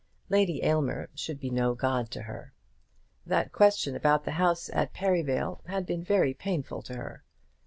Lady Aylmer should be no god to her. That question about the house at Perivale had been very painful to her.